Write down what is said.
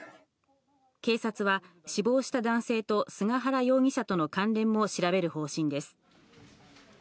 警察は、死亡した男性と菅原容疑者との関連も調べる方針です。